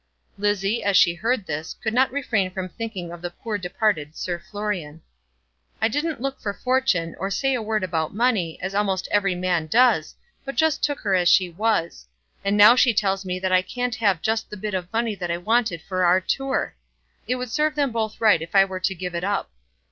Lizzie, as she heard this, could not refrain from thinking of the poor departed Sir Florian. "I didn't look for fortune, or say a word about money, as almost every man does, but just took her as she was. And now she tells me that I can't have just the bit of money that I wanted for our tour. It would serve them both right if I were to give it up."